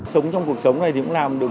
sống trong cuộc sống này thì cũng làm được